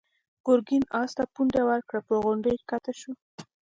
ګرګين آس ته پونده ورکړه، پر غونډۍ کښته شو.